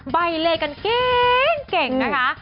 ใบเลกันเก่งนะคะ